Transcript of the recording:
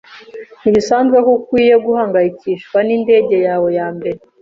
Ntibisanzwe ko ukwiye guhangayikishwa nindege yawe ya mbere.